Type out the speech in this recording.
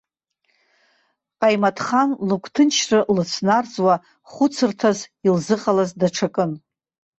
Ҟаимаҭхан лыгәҭынчра лыцәнарӡуа, хәыцырҭас илзыҟалаз даҽакын.